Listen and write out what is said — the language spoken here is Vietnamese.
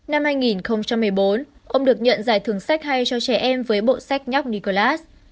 năm hai nghìn một mươi bốn ông được nhận giải thưởng sách hay cho trẻ em với bộ sách nhoc nicolas